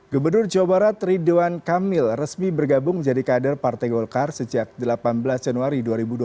gubernur jawa barat ridwan kamil resmi bergabung menjadi kader partai golkar sejak delapan belas januari dua ribu dua puluh